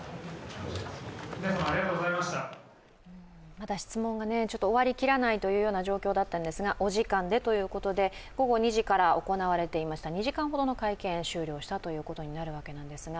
まだ質問が終わりきらないという状況だったんですが、お時間でということで、午後２時から行われていました２時間ほどの会見、終了したということなんですが。